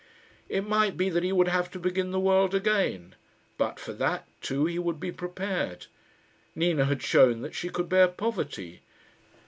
It might be that he would have to begin the world again; but for that, too, he would be prepared. Nina had shown that she could bear poverty.